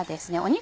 肉